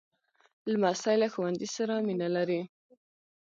لمسی له ښوونځي سره مینه لري.